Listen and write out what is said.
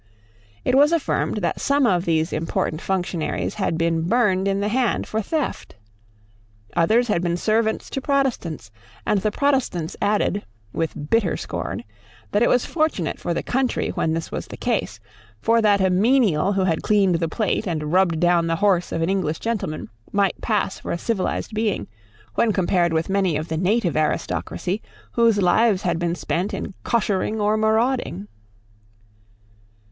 It was affirmed that some of these important functionaries had been burned in the hand for theft. Others had been servants to Protestants; and the Protestants added, with bitter scorn, that it was fortunate for the country when this was the case; for that a menial who had cleaned the plate and rubbed down the horse of an English gentleman might pass for a civilised being, when compared with many of the native aristocracy whose lives had been spent in coshering or marauding.